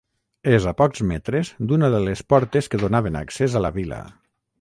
És a pocs metres d'una de les portes que donaven accés a la vila.